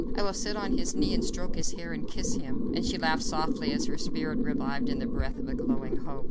I will sit on his knee and stroke his hair and kiss him." And she laughed softly as her spirit revived in the breath of a growing hope.